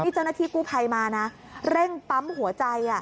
เจ้าหน้าที่กู้ภัยมานะเร่งปั๊มหัวใจ